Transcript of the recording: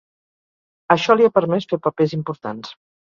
Això li ha permès fer papers importants.